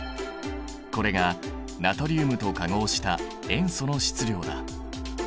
これがナトリウムと化合した塩素の質量だ。